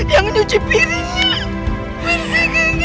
yang cuci piringnya